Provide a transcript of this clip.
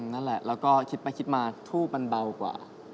นั่นแหละแล้วก็คิดไปคิดมาทูบมันเบากว่า